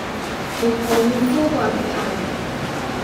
沒抱怨高掛的太陽